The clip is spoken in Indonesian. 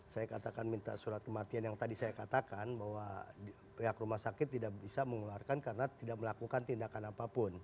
saya katakan minta surat kematian yang tadi saya katakan bahwa pihak rumah sakit tidak bisa mengeluarkan karena tidak melakukan tindakan apapun